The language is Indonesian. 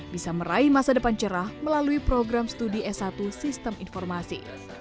bisa meraih masa depan cerah melalui program studi s satu sistem informasi